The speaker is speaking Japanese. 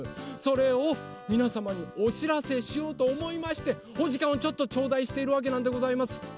それをみなさまにおしらせしようとおもいましておじかんをちょっとちょうだいしているわけなんでございます。